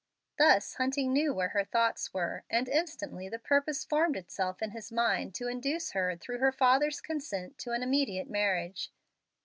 Thus Hunting knew where her thoughts were, and instantly the purpose formed itself in his mind to induce her through her father to consent to an immediate marriage.